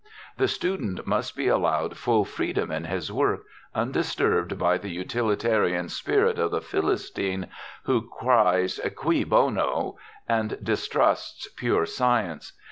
The student must be allowed full freedom in his work, undisturbed by the utilitarian spirit of the Philistine, who cries, Cui bono? and distrusts pure science.